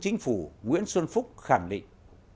chính phủ nguyễn xuân phúc khẳng định